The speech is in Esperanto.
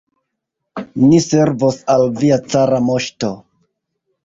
Ni servos al via cara moŝto!